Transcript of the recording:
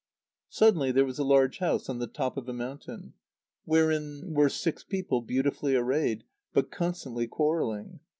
_ Suddenly there was a large house on the top of a mountain, wherein were six people beautifully arrayed, but constantly quarrelling.